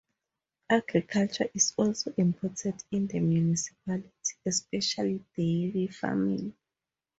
Agriculture is also important in the municipality, especially dairy farming.